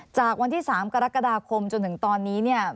จากวันที่๓กรกฎาคมจนถึงตอนนี้เนี่ย